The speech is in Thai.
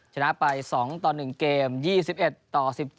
ชนะไป๒ต่อ๑เกม๒๑ต่อ๑๗